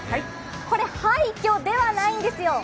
これ廃虚ではないんですよ。